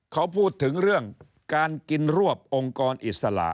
เขาพูดถึงเรื่องการกินรวบองค์กรอิสระ